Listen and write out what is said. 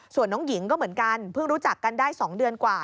ส่วนน้องหญิงก็เหมือนกันเพิ่งรู้จักกันได้๒เดือนกว่า